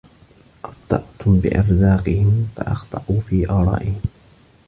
أَبْطَأْتُمْ بِأَرْزَاقِهِمْ فَأَخْطَئُوا فِي آرَائِهِمْ